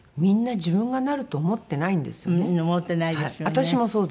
私もそうでした。